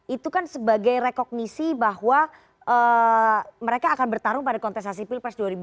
itu kan sebagai rekognisi bahwa mereka akan bertarung pada kontestasi pilpres dua ribu dua puluh